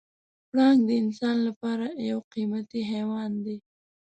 پړانګ د انسان لپاره یو قیمتي حیوان دی.